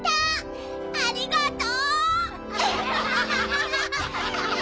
ありがとう！